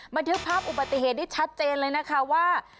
มาดูภาพอุบัติเหตุที่ชัดเจนเลยนะคะว่า